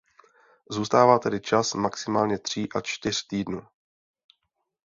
Zůstává tedy čas maximálně tří až čtyř týdnů.